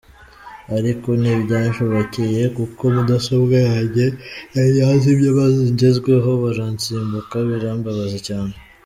Ariko ntibyanshobokeye kuko mudasobwa yanjye yari yazimye maze ngezweho baransimbuka birambabaza cyane.